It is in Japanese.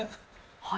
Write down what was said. はい。